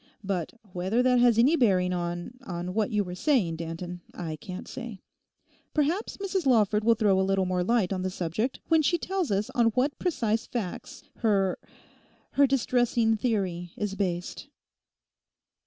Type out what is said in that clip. But whether that has any bearing on—on what you were saying, Danton, I can't say. Perhaps Mrs Lawford will throw a little more light on the subject when she tells us on what precise facts her—her distressing theory is based.